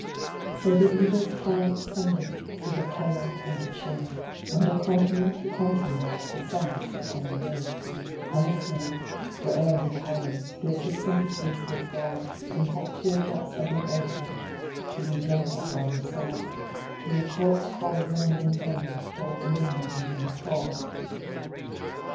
So the Evil's triumph sendeth, with a terror and a chill, Under continent to continent, the sense of coming ill, And the slave, where'er he cowers, feels his sympathies with God In hot tear drops ebbing earthward, to be drunk up by the sod, Till a corpse crawls round unburied, delving in the nobler clod.